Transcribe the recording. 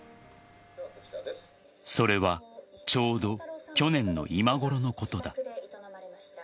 それはちょうど去年の今頃のことだ。